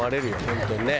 本当にね。